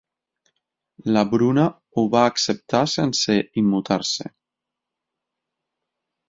La Bruna ho va acceptar sense immutar-se.